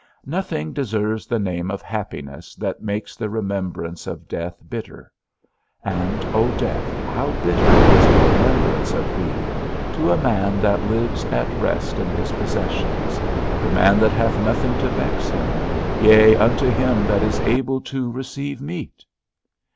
Nothing deserves the name of happiness that makes the remembrance of death bitter; and, _O death, how bitter is the remembrance of thee, to a man that lives at rest in his possessions, the man that hath nothing to vex him, yea unto him that is able to receive meat!